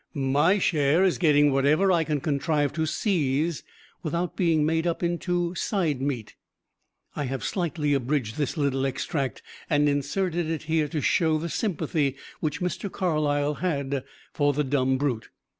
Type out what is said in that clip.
My share is getting whatever I can contrive to seize without being made up into Side Meat." I have slightly abridged this little extract and inserted it here to show the sympathy which Mr. Carlyle had for the dumb brute.